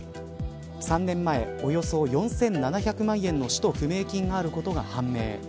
３年前、およそ４７００万円の使途不明金があることが判明。